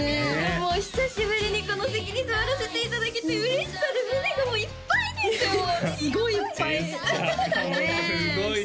もう久しぶりにこの席に座らせていただけて嬉しさで胸がいっぱいですよもうすごいいっぱいジェスチャーがすごいですね